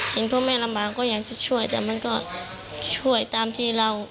ไม่ก็ไม่ลำบากมันก็จะช่วยแต่ก็ช่วยตามที่แรงเรามีอยู่